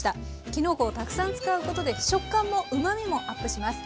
きのこをたくさん使うことで食感もうまみもアップします。